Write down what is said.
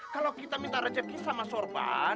kalau kita minta rezeki sama sorban